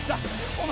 お前。